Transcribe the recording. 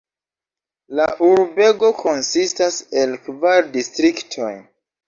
La urbego konsistas el kvar distriktoj.